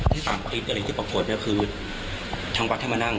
ที่ปรากฏคือทางวัดให้มานั่ง